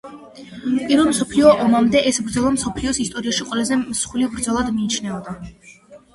პირველ მსოფლიო ომამდე ეს ბრძოლა მსოფლიოს ისტორიაში ყველაზე მსხვილ ბრძოლად მიიჩნეოდა.